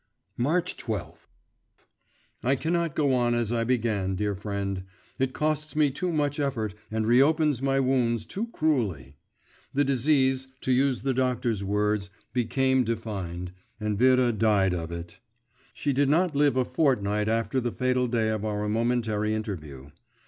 …' March 12. I cannot go on as I began, dear friend; it costs me too much effort and re opens my wounds too cruelly. The disease, to use the doctor's words, became defined, and Vera died of it. She did not live a fortnight after the fatal day of our momentary interview.